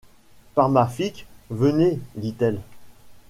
Par ma ficque ! venez, dit-elle.